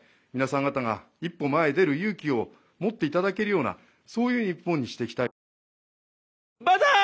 皆さん方が一歩前に出る勇気を持っていただけるような、そういう日本にしていきたい。